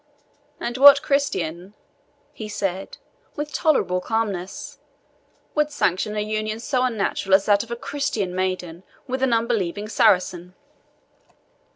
"And what Christian," he said, With tolerable calmness, "would sanction a union so unnatural as that of a Christian maiden with an unbelieving Saracen?"